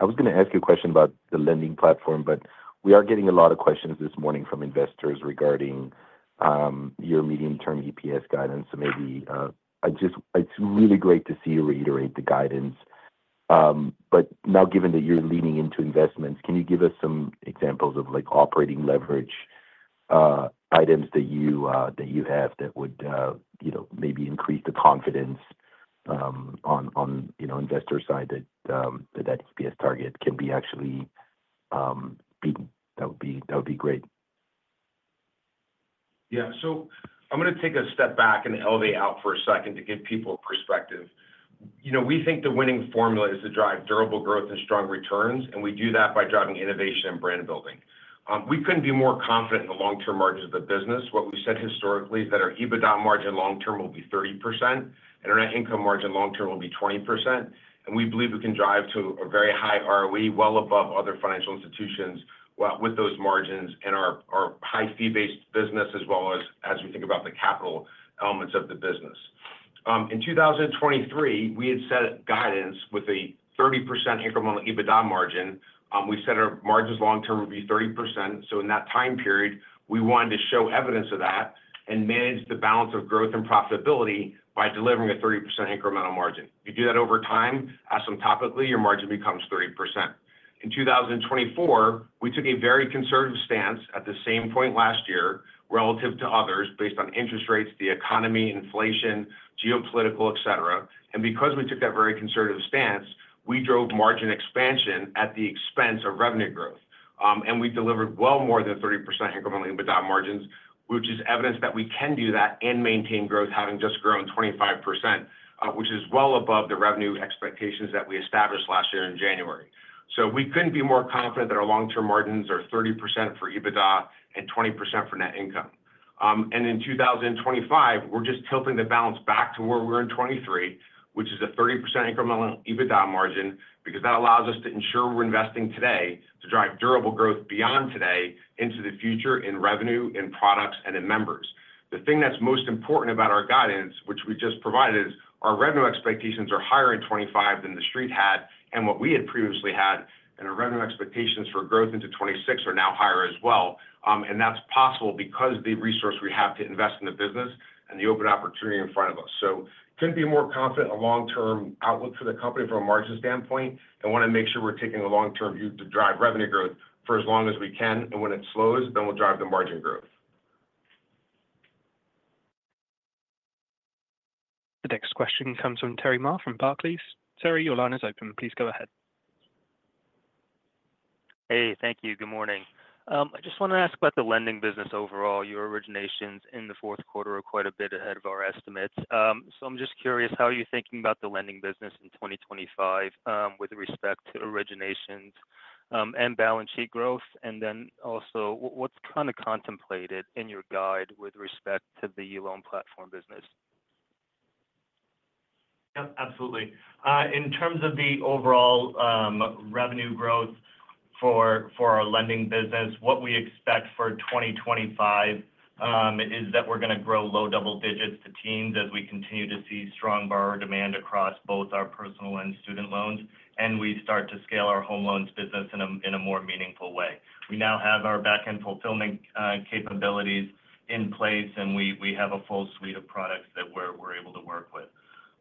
I was going to ask you a question about the lending platform, but we are getting a lot of questions this morning from Investors regarding your medium-term EPS guidance, so maybe it's really great to see you reiterate the guidance, but now, given that you're leaning into Investments, can you give us some examples of operating leverage items that you have that would maybe increase the confidence on Investor side that that EPS target can be actually beat? That would be great. Yeah, so I'm going to take a step back and lay it out for a second to give people perspective. We think the winning formula is to drive durable growth and strong returns, and we do that by driving innovation and brand building. We couldn't be more confident in the long-term margins of the business. What we've said historically is that our EBITDA margin long-term will be 30%, and our net income margin long-term will be 20%, and we believe we can drive to a very high ROE well above other financial institutions with those margins and our high-fee-based business, as well as we think about the capital elements of the business. In 2023, we had set guidance with a 30% incremental EBITDA margin. We said our margins long-term would be 30%, so in that time period, we wanted to show evidence of that and manage the balance of growth and profitability by delivering a 30% incremental margin. If you do that over time, asymptotically, your margin becomes 30%. In 2024, we took a very conservative stance at the same point last year relative to others based on interest rates, the economy, inflation, geopolitical, etc. And because we took that very conservative stance, we drove margin expansion at the expense of revenue growth. And we delivered well more than 30% incremental EBITDA margins, which is evidence that we can do that and maintain growth, having just grown 25%, which is well above the revenue expectations that we established last year in January. So we couldn't be more confident that our long-term margins are 30% for EBITDA and 20% for net income. And in 2025, we're just tilting the balance back to where we were in 2023, which is a 30% incremental EBITDA margin because that allows us to ensure we're Investing today to drive durable growth beyond today into the future in revenue, in products, and in members. The thing that's most important about our guidance, which we just provided, is our revenue expectations are higher in 2025 than the street had and what we had previously had, and our revenue expectations for growth into 2026 are now higher as well. And that's possible because of the resource we have to Invest in the business and the open opportunity in front of us. So couldn't be more confident of a long-term outlook for the company from a margin standpoint and want to make sure we're taking a long-term view to drive revenue growth for as long as we can. And when it slows, then we'll drive the margin growth. The next question comes from Terry Ma from Barclays. Terry, your line is open. Please go ahead. Hey, thank you. Good morning. I just want to ask about the lending business overall. Your originations in the fourth quarter are quite a bit ahead of our estimates. So I'm just curious how you're thinking about the lending business in 2025 with respect to originations and balance sheet growth, and then also what's kind of contemplated in your guide with respect to the loan platform business. Yep, absolutely. In terms of the overall revenue growth for our lending business, what we expect for 2025 is that we're going to grow low double digits to teens as we continue to see strong borrower demand across both our personal and student loans, and we start to scale our home loans business in a more meaningful way. We now have our back-end fulfillment capabilities in place, and we have a full suite of products that we're able to work with.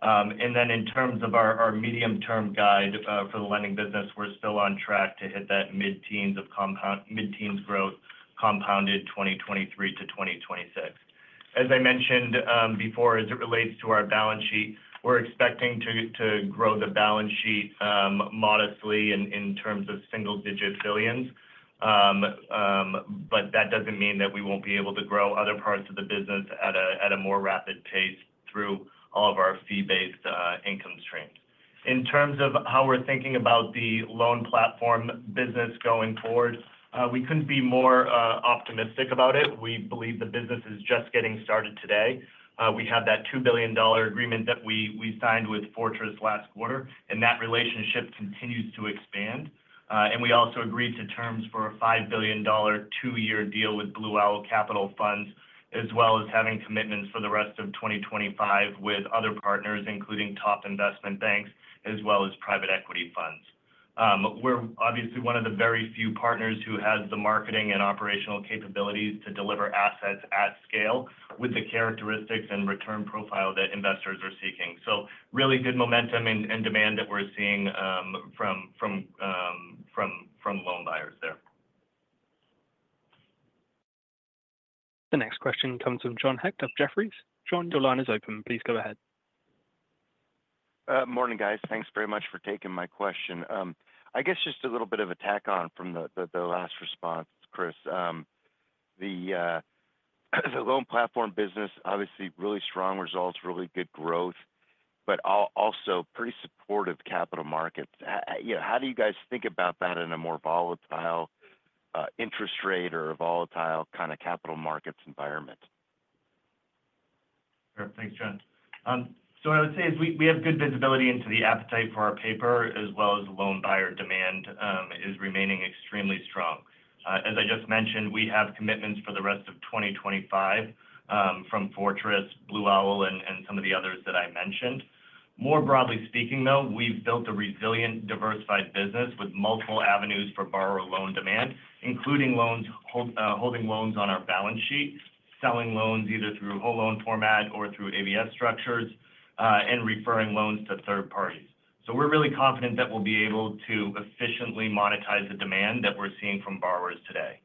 And then in terms of our medium-term guide for the lending business, we're still on track to hit that mid-teens growth compounded 2023 to 2026. As I mentioned before, as it relates to our balance sheet, we're expecting to grow the balance sheet modestly in terms of single-digit billions, but that doesn't mean that we won't be able to grow other parts of the business at a more rapid pace through all of our fee-based income streams. In terms of how we're thinking about the loan platform business going forward, we couldn't be more optimistic about it. We believe the business is just getting started today. We have that $2 billion agreement that we signed with Fortress last quarter, and that relationship continues to expand. And we also agreed to terms for a $5 billion two-year deal with Blue Owl Capital Funds, as well as having commitments for the rest of 2025 with other partners, including top Investment banks, as well as private equity funds. We're obviously one of the very few partners who has the marketing and operational capabilities to deliver assets at scale with the characteristics and return profile that Investors are seeking. So really good momentum and demand that we're seeing from loan buyers there. The next question comes from John Hecht of Jefferies. John, your line is open. Please go ahead. Morning, guys. Thanks very much for taking my question. I guess just a little bit of a tack on from the last response, Chris. The loan platform business, obviously really strong results, really good growth, but also pretty supportive capital markets. How do you guys think about that in a more volatile interest rate or volatile kind of capital markets environment? Thanks, John. So what I would say is we have good visibility into the appetite for our paper, as well as loan buyer demand is remaining extremely strong. As I just mentioned, we have commitments for the rest of 2025 from Fortress, Blue Owl, and some of the others that I mentioned. More broadly speaking, though, we've built a resilient, diversified business with multiple avenues for borrower loan demand, including holding loans on our balance sheet, selling loans either through whole loan format or through ABS structures, and referring loans to third parties. So we're really confident that we'll be able to efficiently monetize the demand that we're seeing from borrowers today.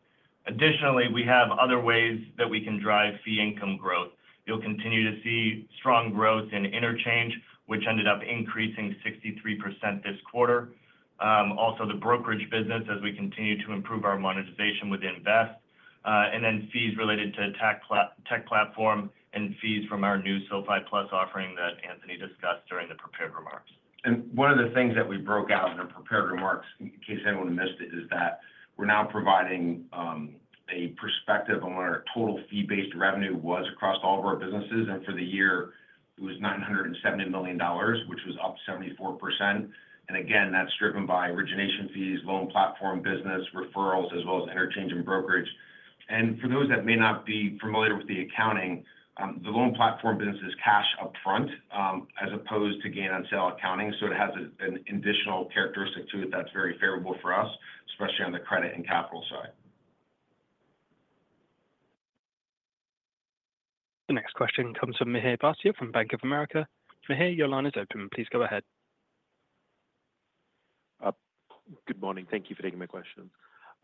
Additionally, we have other ways that we can drive fee income growth. You'll continue to see strong growth in interchange, which ended up increasing 63% this quarter. Also, the brokerage business, as we continue to improve our monetization with Invest, and then fees related to Tech Platform and fees from our new SoFi Plus offering that Anthony discussed during the prepared remarks. And one of the things that we broke out in the prepared remarks, in case anyone missed it, is that we're now providing a perspective on what our total fee-based revenue was across all of our businesses. And for the year, it was $970 million, which was up 74%. And again, that's driven by origination fees, Loan Platform Business referrals, as well as interchange and brokerage. And for those that may not be familiar with the accounting, the Loan Platform Business is cash upfront as opposed to gain-on-sale accounting. So, it has an additional characteristic to it that's very favorable for us, especially on the credit and capital side. The next question comes from Mihir Bhatia from Bank of America. Mihir, your line is open. Please go ahead. Good morning. Thank you for taking my question.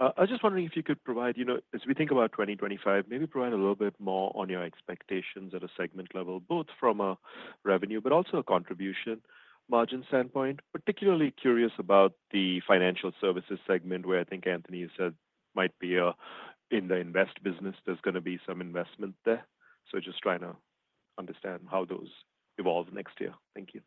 I was just wondering if you could provide, as we think about 2025, maybe provide a little bit more on your expectations at a segment level, both from a revenue, but also a contribution margin standpoint. Particularly curious about the financial services segment, where I think Anthony said might be in the Invest business. There's going to be some Investment there. So just trying to understand how those evolve next year. Thank you.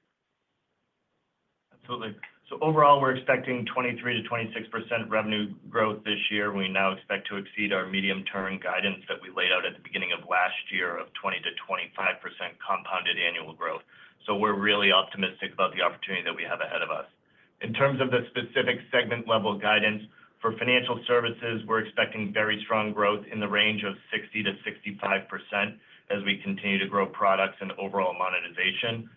Absolutely. So overall, we're expecting 23%-26% revenue growth this year. We now expect to exceed our medium-term guidance that we laid out at the beginning of last year of 20%-25% compounded annual growth, so we're really optimistic about the opportunity that we have ahead of us. In terms of the specific segment-level guidance, for financial services, we're expecting very strong growth in the range of 60%-65% as we continue to grow products and overall monetization.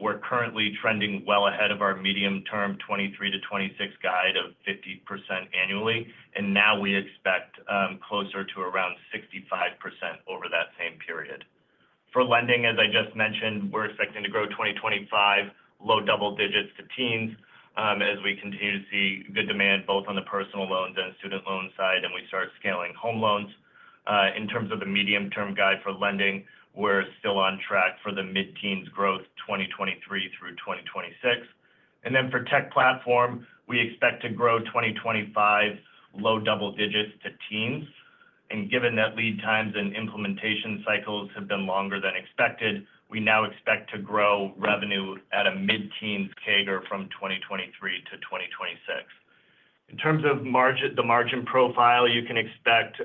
We're currently trending well ahead of our medium-term 23-26 guide of 50% annually, and now we expect closer to around 65% over that same period. For lending, as I just mentioned, we're expecting to grow 2025 low double digits to teens as we continue to see good demand both on the personal loans and student loan side, and we start scaling home loans. In terms of the medium-term guide for lending, we're still on track for the mid-teens growth 2023 through 2026. And then for Tech Platform, we expect to grow 2025 low double digits to teens. And given that lead times and implementation cycles have been longer than expected, we now expect to grow revenue at a mid-teens CAGR from 2023 to 2026. In terms of the margin profile, you can expect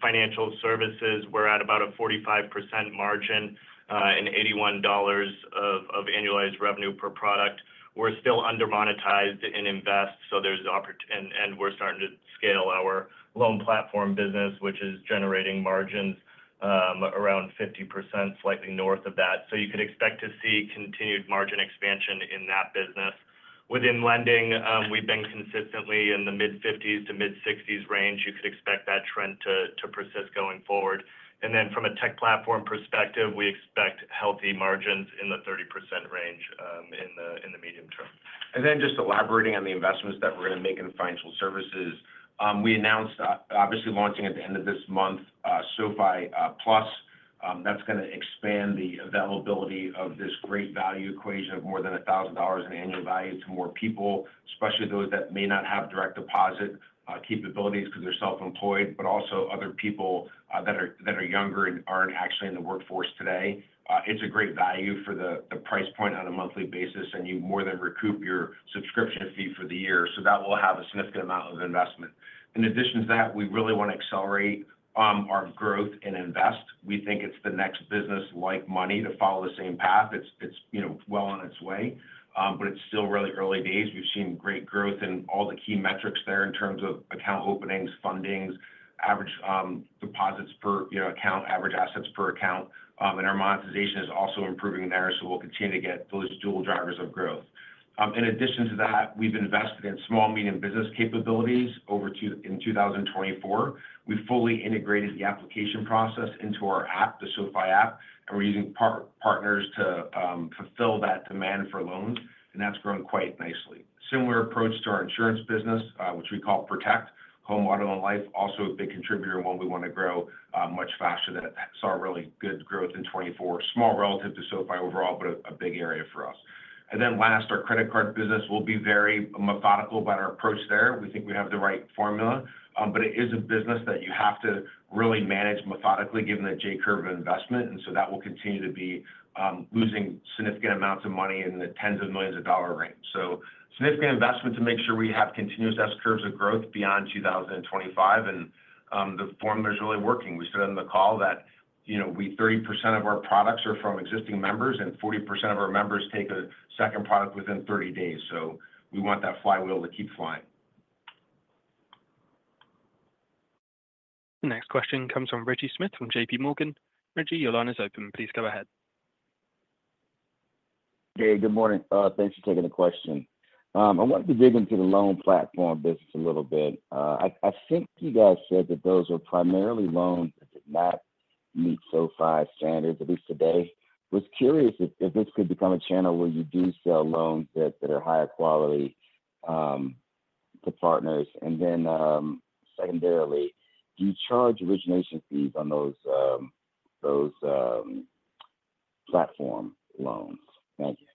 financial services. We're at about a 45% margin and $81 of annualized revenue per product. We're still undermonetized in Invest, so there's opportunities, and we're starting to scale our Loan Platform Business, which is generating margins around 50%, slightly north of that. So you could expect to see continued margin expansion in that business. Within lending, we've been consistently in the mid-50s to mid-60s range. You could expect that trend to persist going forward. And then from a Tech Platform perspective, we expect healthy margins in the 30% range in the medium term. And then just elaborating on the Investments that we're going to make in financial services, we announced obviously launching at the end of this month SoFi Plus. That's going to expand the availability of this great value equation of more than $1,000 in annual value to more people, especially those that may not have direct deposit capabilities because they're self-employed, but also other people that are younger and aren't actually in the workforce today. It's a great value for the price point on a monthly basis, and you more than recoup your subscription fee for the year. So that will have a significant amount of Investment. In addition to that, we really want to accelerate our growth in Invest. We think it's the next business like Money to follow the same path. It's well on its way, but it's still really early days. We've seen great growth in all the key metrics there in terms of account openings, fundings, average deposits per account, average assets per account, and our monetization is also improving there, so we'll continue to get those dual drivers of growth. In addition to that, we've Invested in small, medium business capabilities over the year in 2024. We fully integrated the application process into our app, the SoFi app, and we're using partners to fulfill that demand for loans, and that's grown quite nicely. Similar approach to our insurance business, which we call Protect, home, auto, and life, also a big contributor, and one we want to grow much faster. That saw really good growth in 2024, it's small relative to SoFi overall, but a big area for us. Then last, our credit card business will be very methodical about our approach there. We think we have the right formula, but it is a business that you have to really manage methodically given the J-curve of Investment. And so that will continue to be losing significant amounts of money in the tens of millions of dollars range. So significant Investment to make sure we have continuous S-curves of growth beyond 2025. And the formula is really working. We said on the call that 30% of our products are from existing members, and 40% of our members take a second product within 30 days. So we want that flywheel to keep flying. The next question comes from Reggie Smith from J.P. Morgan. Reggie, your line is open. Please go ahead. Hey, good morning. Thanks for taking the question. I wanted to dig into the loan platform business a little bit. I think you guys said that those are primarily loans that did not meet SoFi standards, at least today. I was curious if this could become a channel where you do sell loans that are higher quality to partners. And then secondarily, do you charge origination fees on those platform loans? Thank you.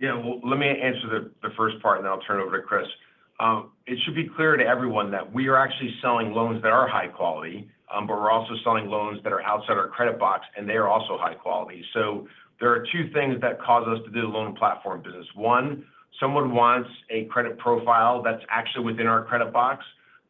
Yeah, well, let me answer the first part, and then I'll turn it over to Chris. It should be clear to everyone that we are actually selling loans that are high quality, but we're also selling loans that are outside our credit box, and they are also high quality. So there are two things that cause us to do the loan platform business. One, someone wants a credit profile that's actually within our credit box,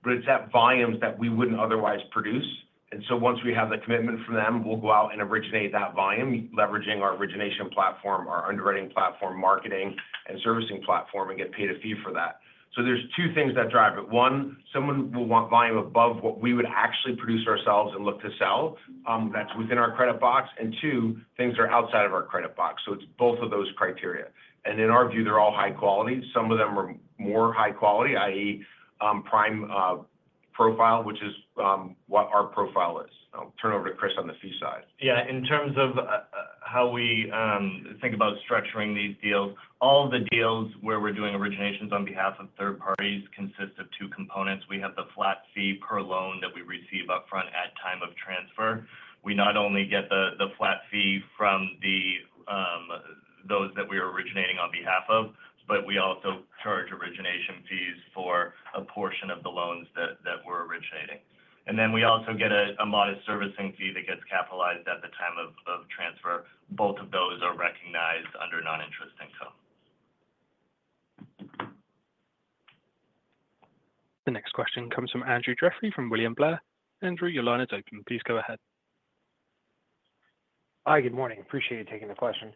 but it's at volumes that we wouldn't otherwise produce. And so once we have the commitment from them, we'll go out and originate that volume, leveraging our origination platform, our underwriting platform, marketing, and servicing platform, and get paid a fee for that. So there's two things that drive it. One, someone will want volume above what we would actually produce ourselves and look to sell that's within our credit box. And two, things that are outside of our credit box. So it's both of those criteria. And in our view, they're all high quality. Some of them are more high quality, i.e., prime profile, which is what our profile is. I'll turn it over to Chris on the fee side. Yeah, in terms of how we think about structuring these deals, all of the deals where we're doing originations on behalf of third parties consist of two components. We have the flat fee per loan that we receive upfront at time of transfer. We not only get the flat fee from those that we are originating on behalf of, but we also charge origination fees for a portion of the loans that we're originating. And then we also get a modest servicing fee that gets capitalized at the time of transfer. Both of those are recognized under non-interest income. The next question comes from Andrew Jeffrey from William Blair. Andrew, your line is open. Please go ahead. Hi, good morning. Appreciate you taking the question.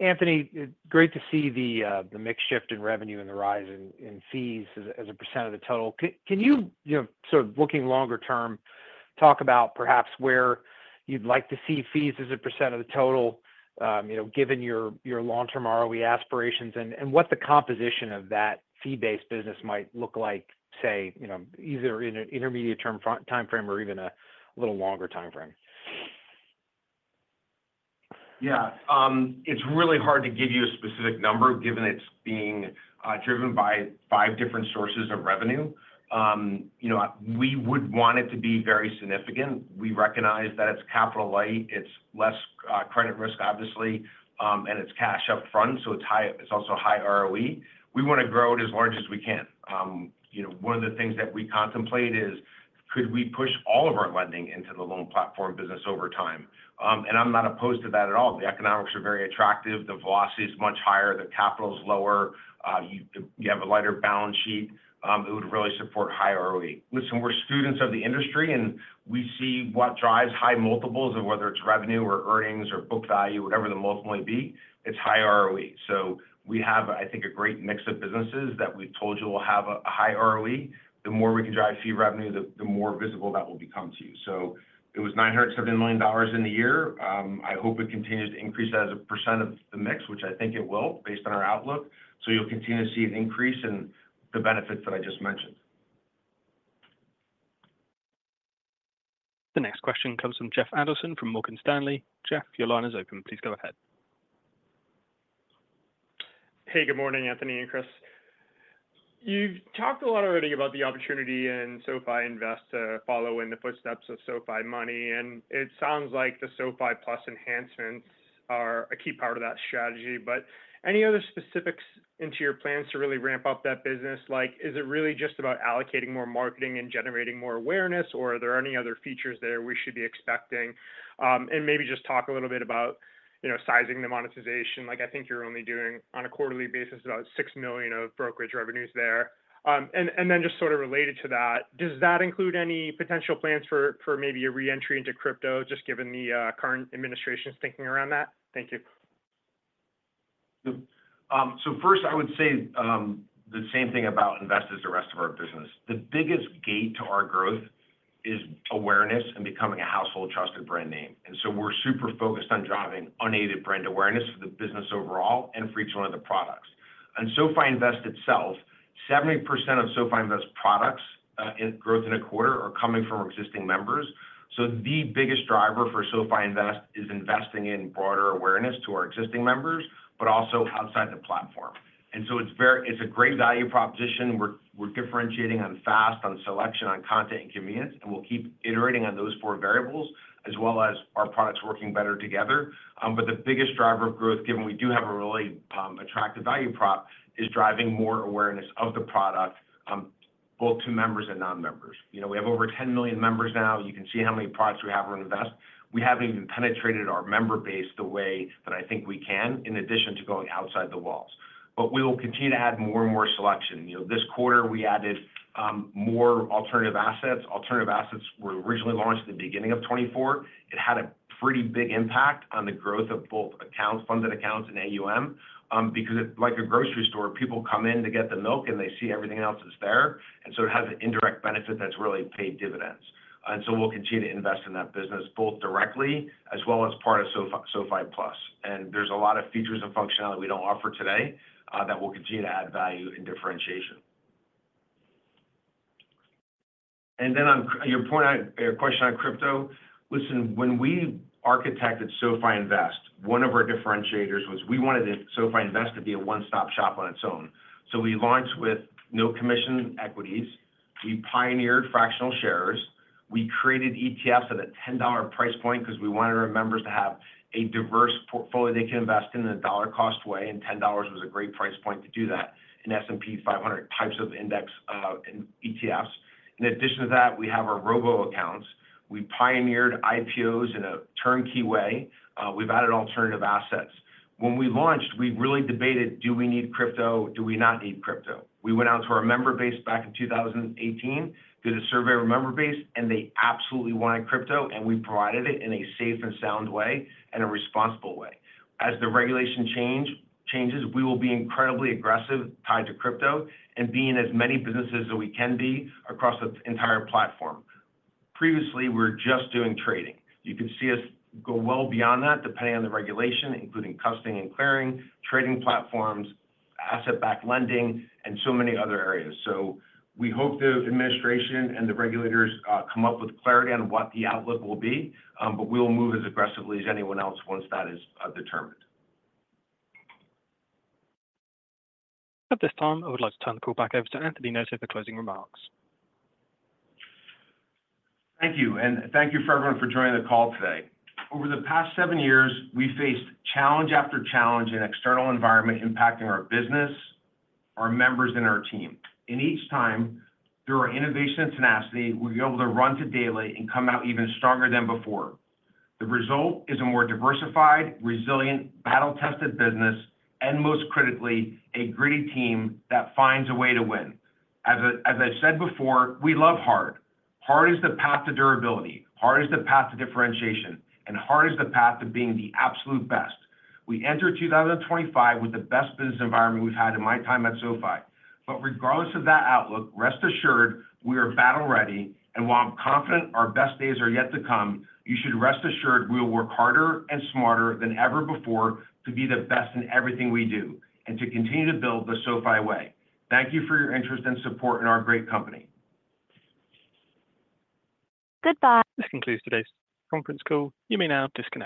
Anthony, great to see the mix shift in revenue and the rise in fees as a % of the total. Can you, sort of looking longer term, talk about perhaps where you'd like to see fees as a % of the total, given your long-term ROE aspirations, and what the composition of that fee-based business might look like, say, either in an intermediate-term timeframe or even a little longer timeframe? Yeah, it's really hard to give you a specific number given it's being driven by five different sources of revenue. We would want it to be very significant. We recognize that it's capital light. It's less credit risk, obviously, and it's cash upfront, so it's also high ROE. We want to grow it as large as we can. One of the things that we contemplate is, could we push all of our lending into the loan platform business over time? And I'm not opposed to that at all. The economics are very attractive. The velocity is much higher. The capital is lower. You have a lighter balance sheet. It would really support high ROE. Listen, we're students of the industry, and we see what drives high multiples of whether it's revenue or earnings or book value, whatever the multiples may be, it's high ROE. So we have, I think, a great mix of businesses that we've told you will have a high ROE. The more we can drive fee revenue, the more visible that will become to you. So it was $970 million in the year. I hope it continues to increase as a percent of the mix, which I think it will, based on our outlook. So you'll continue to see an increase in the benefits that I just mentioned. The next question comes from Jeffrey Adelson from Morgan Stanley. Jeff, your line is open. Please go ahead. Hey, good morning, Anthony and Chris. You've talked a lot already about the opportunity in SoFi Invest to follow in the footsteps of SoFi Money. And it sounds like the SoFi Plus enhancements are a key part of that strategy. But any other specifics into your plans to really ramp up that business? Is it really just about allocating more marketing and generating more awareness, or are there any other features there we should be expecting? And maybe just talk a little bit about sizing the monetization. I think you're only doing, on a quarterly basis, about $6 million of brokerage revenues there. And then just sort of related to that, does that include any potential plans for maybe a re-entry into crypto, just given the current administration's thinking around that? Thank you. So first, I would say the same thing about Investors and the rest of our business. The biggest gate to our growth is awareness and becoming a household-trusted brand name. And so we're super focused on driving unaided brand awareness for the business overall and for each one of the products. And SoFi Invest itself, 70% of SoFi Invest's products and growth in a quarter are coming from existing members. So the biggest driver for SoFi Invest is Investing in broader awareness to our existing members, but also outside the platform. And so it's a great value proposition. We're differentiating on fast, on selection, on content and convenience, and we'll keep iterating on those four variables, as well as our products working better together. But the biggest driver of growth, given we do have a really attractive value prop, is driving more awareness of the product, both to members and non-members. We have over 10 million members now. You can see how many products we have in Invest. We haven't even penetrated our member base the way that I think we can, in addition to going outside the walls. But we will continue to add more and more selection. This quarter, we added more alternative assets. Alternative assets were originally launched at the beginning of 2024. It had a pretty big impact on the growth of both accounts, funded accounts and AUM, because like a grocery store, people come in to get the milk, and they see everything else that's there. And so it has an indirect benefit that's really paid dividends. And so we'll continue to Invest in that business, both directly as well as part of SoFi Plus. And there's a lot of features and functionality we don't offer today that will continue to add value and differentiation. And then on your question on crypto, listen, when we architected SoFi Invest, one of our differentiators was we wanted SoFi Invest to be a one-stop shop on its own. So we launched with no commission equities. We pioneered fractional shares. We created ETFs at a $10 price point because we wanted our members to have a diverse portfolio they can Invest in a dollar-cost way. And $10 was a great price point to do that in S&P 500 types of index ETFs. In addition to that, we have our robo accounts. We pioneered IPOs in a turnkey way. We've added alternative assets. When we launched, we really debated, do we need crypto? Do we not need crypto? We went out to our member base back in 2018, did a survey of our member base, and they absolutely wanted crypto. And we provided it in a safe and sound way and a responsible way. As the regulation changes, we will be incredibly aggressive tied to crypto and being as many businesses as we can be across the entire platform. Previously, we were just doing trading. You could see us go well beyond that, depending on the regulation, including custody and clearing, trading platforms, asset-backed lending, and so many other areas. So we hope the administration and the regulators come up with clarity on what the outlook will be, but we will move as aggressively as anyone else once that is determined. At this time, I would like to turn the call back over to Anthony Noto for closing remarks. Thank you. And thank you for everyone for joining the call today. Over the past seven years, we faced challenge after challenge in an external environment impacting our business, our members, and our team. And each time, through our innovation and tenacity, we were able to run the daily and come out even stronger than before. The result is a more diversified, resilient, battle-tested business, and most critically, a gritty team that finds a way to win. As I've said before, we love hard. Hard is the path to durability. Hard is the path to differentiation. And hard is the path to being the absolute best. We enter 2025 with the best business environment we've had in my time at SoFi. But regardless of that outlook, rest assured, we are battle-ready. And while I'm confident our best days are yet to come, you should rest assured we will work harder and smarter than ever before to be the best in everything we do and to continue to build the SoFi way. Thank you for your interest and support in our great company. Goodbye. This concludes today's conference call. You may now disconnect.